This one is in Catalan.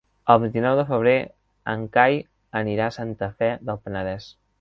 El vint-i-nou de febrer en Cai anirà a Santa Fe del Penedès.